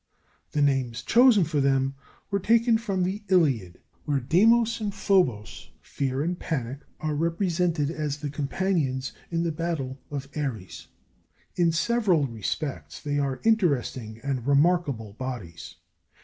The names chosen for them were taken from the Iliad, where "Deimos" and "Phobos" (Fear and Panic) are represented as the companions in battle of Ares. In several respects, they are interesting and remarkable bodies.